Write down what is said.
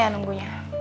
lama nya nunggunya